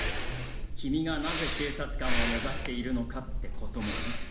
君がなぜ警察官を目指しているのかってこともね。